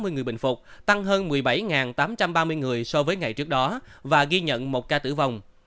hai trăm chín mươi chín một trăm tám mươi người bệnh phục tăng hơn một mươi bảy tám trăm ba mươi người so với ngày trước đó và ghi nhận một ca tử vong